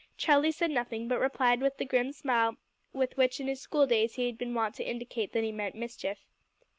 Charlie said nothing, but replied with the grim smile with which in school days he had been wont to indicate that he meant mischief.